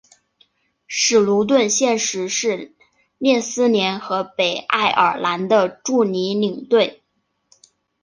史奴顿现时是列斯联和北爱尔兰的助理领队。